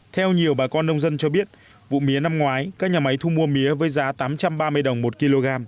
theo nhiều bà con nông dân cho biết vụ mía năm ngoái các nhà máy thu mua mía với giá tám trăm ba mươi đồng một kg